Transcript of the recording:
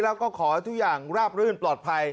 แล้วก็ขอให้ทุกอย่างราบรื่นปลอดภัย